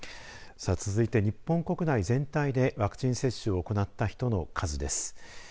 続いて日本国内全体でワクチン接種を行った人の数です。